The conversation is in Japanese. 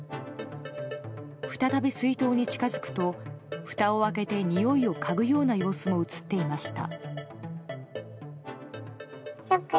再び水筒に近づくとふたを開けてにおいをかぐような様子も映っていました。